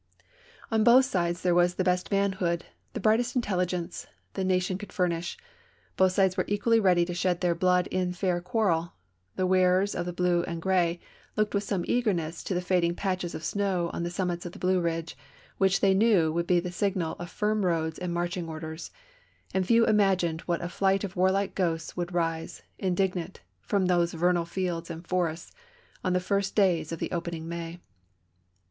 On both sides there was the best manhood, the brightest intelligence, the nation could furnish ; both sides were equally ready to shed their blood in fair quarrel ; the wearers of the blue and the gray looked with the same eagerness to the fading patches of snow on the summits of the Blue Ridge, which they knew would be the sig nal of firm roads and marching orders ; and few imagined what a flight of warHke ghosts would rise, indignant, from those vernal fields and forests, in the first days of the opening May.